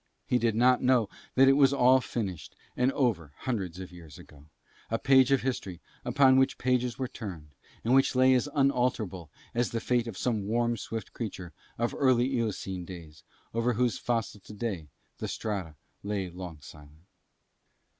He did not know that it was all finished and over hundreds of years ago, a page of history upon which many pages were turned, and which lay as unalterable as the fate of some warm swift creature of early Eocene days over whose fossil today the strata lie long and silent.